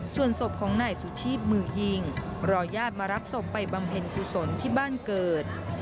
ส่วนศพของนายสุชีพมือยิงรอญาติมารับศพไปบำเพ็ญกุศลที่บ้านเกิด